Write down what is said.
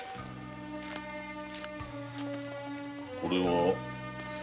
これは？